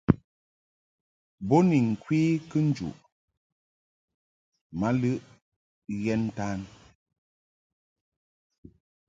Bo ni ŋkwe kɨnjuʼ ma lɨʼ ghɛn ntan.